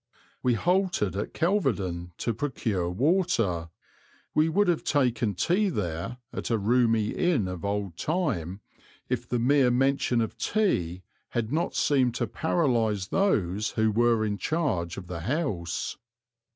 We halted at Kelvedon to procure water; we would have taken tea there, at a roomy inn of old time, if the mere mention of tea had not seemed to paralyse those who were in charge of the house.